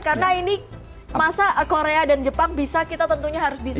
karena ini masa korea dan jepang bisa kita tentunya harus bisa